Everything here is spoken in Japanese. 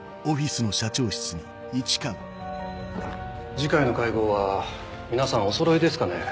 次回の会合は皆さんおそろいですかね？